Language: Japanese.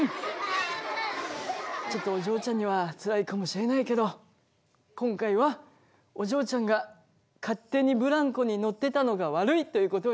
ちょっとお嬢ちゃんにはつらいかもしれないけど今回はお嬢ちゃんが勝手にブランコに乗ってたのが悪いということになりました。